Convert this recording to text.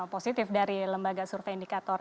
positif dari lembaga survei indikator